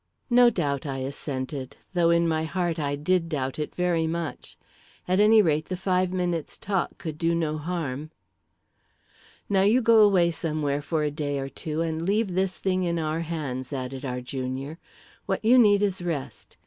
"No doubt," I assented, though in my heart I did doubt it very much. At any rate, the five minutes' talk could do no harm. "Now you go away somewhere for a day or two, and leave this thing in our hands," added our junior. "What you need is rest.